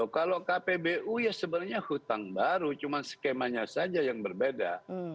kalau kpbu ya sebenarnya hutang baru cuma skemanya saja yang berbeda